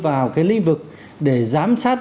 vào cái lĩnh vực để giám sát